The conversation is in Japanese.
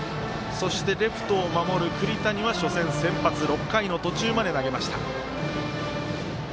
そして、レフトを守る栗谷は初戦、先発６回の途中まで投げました。